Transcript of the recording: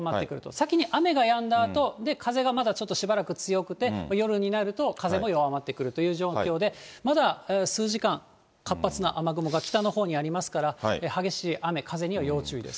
先に雨がやんだあと、風がまだちょっとしばらく強くて、夜になると風が弱まってくるという状況で、まだ数時間、活発な雨雲が北のほうにありますから、激しい雨、風には要注意です。